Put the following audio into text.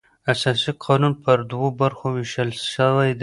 اساسي قانون پر دوو برخو وېشل سوى دئ.